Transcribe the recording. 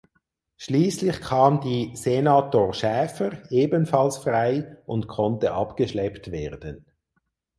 Schließlich kam die "Senator Schäfer" ebenfalls frei und konnte abgeschleppt werden.